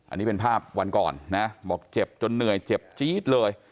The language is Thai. อันนี้เป็นภาพวันก่อนนะบอกเจ็บจนเหนื่อยเจ็บจี๊ดเลย